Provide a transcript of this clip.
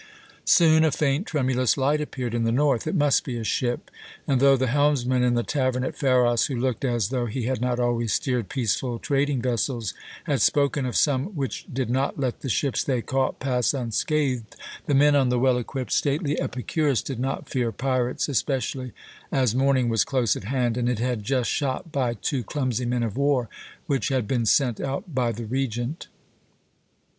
Soon a faint, tremulous light appeared in the north. It must be a ship; and though the helmsman in the tavern at Pharos, who looked as though he had not always steered peaceful trading vessels, had spoken of some which did not let the ships they caught pass unscathed, the men on the well equipped, stately Epicurus did not fear pirates, especially as morning was close at hand, and it had just shot by two clumsy men of war which had been sent out by the Regent.